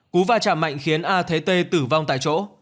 cú va chạm mạnh khiến a thế tê tử vong tại chỗ